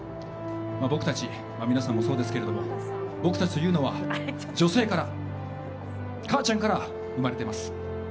皆さんもそうですけど僕たちというのは女性から母ちゃんから生まれてます。